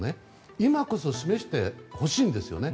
今こそ示してほしいんですよね。